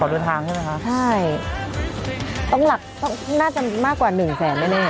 กับต่อเดือนทางใช่ไหมคะใช่ต้องหลักน่าจะมากกว่าหนึ่งแสงได้แน่